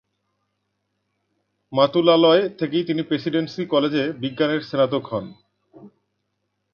মাতুলালয় থেকেই তিনি প্রেসিডেন্সি কলেজে বিজ্ঞানের স্নাতক হন।